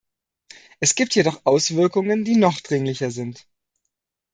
Es gibt jedoch Auswirkungen, die noch dringlicher sind.